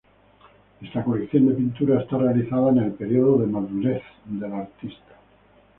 Esta colección de pinturas está realizada en el periodo de madurez del artista.